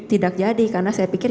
tidak jadi karena saya pikir